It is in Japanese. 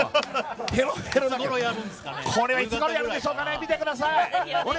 これはいつごろやるんでしょうかね、見てください。